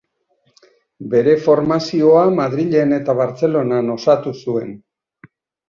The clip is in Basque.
Bere formazioa Madrilen eta Bartzelonan osatu zuen.